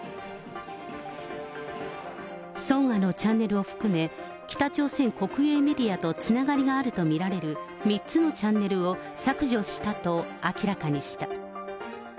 ソンアのチャンネルを含め、北朝鮮国営メディアとつながりがあると見られる３つのチャンネルを削除したと明らかにした。